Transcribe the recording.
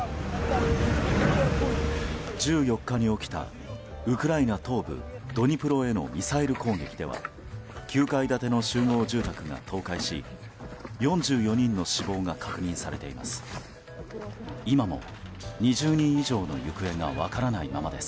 １４日に起きたウクライナ東部ドニプロへのミサイル攻撃では９階建ての集合住宅が倒壊し４４人の死亡が確認されています。